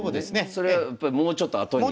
それはやっぱもうちょっと後に生まれる。